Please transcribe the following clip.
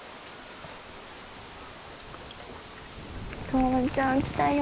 冬生ちゃん来たよ。